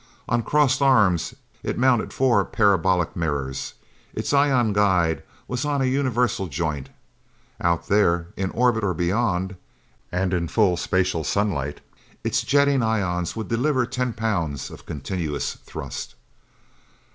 On crossed arms it mounted four parabolic mirrors; its ion guide was on a universal joint. Out There, in orbit or beyond, and in full, spatial sunlight, its jetting ions would deliver ten pounds of continuous thrust.